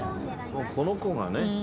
この子がね。